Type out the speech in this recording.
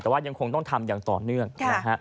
แต่ว่ายังคงต้องทำอย่างต่อเนื่องนะฮะ